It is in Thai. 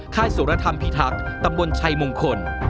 ค่ายสุรธรรมพิทักษ์ตำบลชัยมงคล